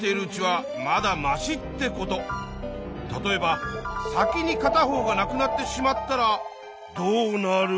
例えば先にかた方がなくなってしまったらどうなる？